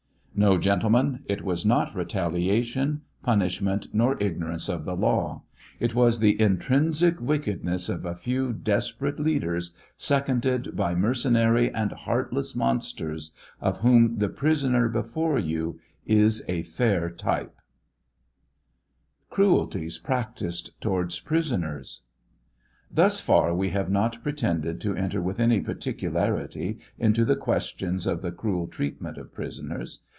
No, gentlemen, it was not retaliation, punishment^ nor ignorance of the law ; it was the intrinsic wickedness of a few desperate leaders, seconded by mercenary and heartless monsters, of whom the prisoner before you is a fair type. TRIAL OP HENRY WIRZ. 765 CRUELTIES PRACTICED TOWARDS PRISONBKS. Thus far we have not pretended to enter with any particularity into the ques ' tions of the cruel treatment of prisoners.